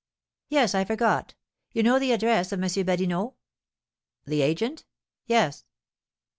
"Yes, I forgot. You know the address of M. Badinot?" "The agent? Yes."